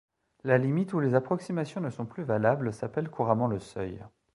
La limite où les approximations ne sont plus valables s'appelle couramment le seuil.